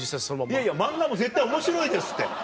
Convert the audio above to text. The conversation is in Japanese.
いやいや漫画も絶対面白いですって。